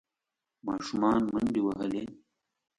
ماشومان منډې وهلې.